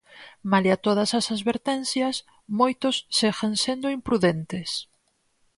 Malia todas as advertencias, moitos seguen sendo imprudentes.